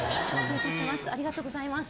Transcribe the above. ありがとうございます。